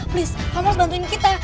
please kamu harus bantuin kita